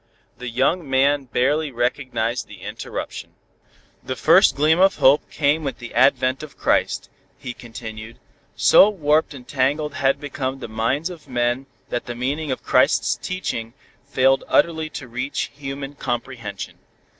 The young man barely recognized the interruption. "The first gleam of hope came with the advent of Christ," he continued. "So warped and tangled had become the minds of men that the meaning of Christ's teaching failed utterly to reach human comprehension.